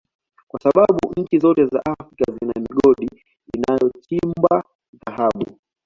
kwa sababu nchi zote za Afrika zina migodi inayochimba Dhahabu